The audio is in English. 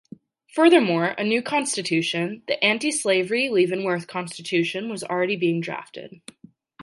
Furthermore, a new constitution, the anti-slavery Leavenworth Constitution, was already being drafted.